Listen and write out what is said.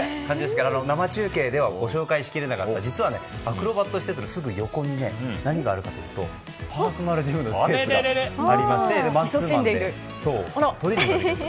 生中継ではご紹介しきれなかったアクロバット施設のすぐ横に、何があるかというとパーソナルジムのスペースがありましてマンツーマンでトレーニングができるんです。